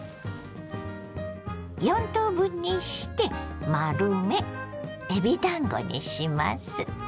４等分にして丸めえびだんごにします。